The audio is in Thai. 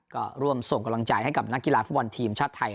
ก็ร่วมส่งกำลังใจให้กับนักกีฬาฟุตบอลทีมชาติไทย